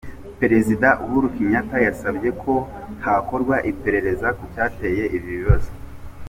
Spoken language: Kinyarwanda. Perezida Uhuru Kenyatta yasabye ko hakorwa iperereza ku cyateye ibi bibazo.